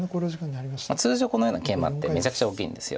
通常このようなケイマってめちゃくちゃ大きいんです。